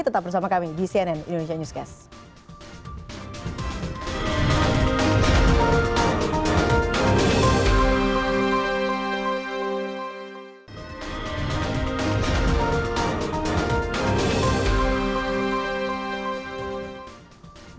tetap bersama kami di cnn indonesia newscast